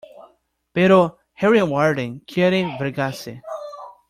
Pero Harry Warden quiere vengarse.